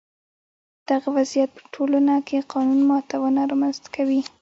دغه وضعیت په ټولنه کې قانون ماتونه رامنځته کوي.